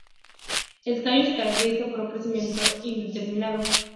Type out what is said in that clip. El tallo se caracteriza por un crecimiento indeterminado.